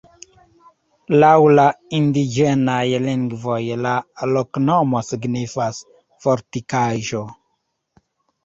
Laŭ la indiĝenaj lingvoj la loknomo signifas: fortikaĵo.